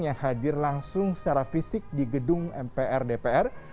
yang hadir langsung secara fisik di gedung mpr dpr